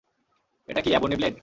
এটা কি ebony blade?